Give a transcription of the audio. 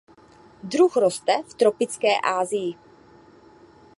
Druh roste v tropické Asii.